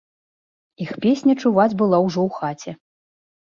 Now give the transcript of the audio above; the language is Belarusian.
Іх песня чуваць была ўжо ў хаце.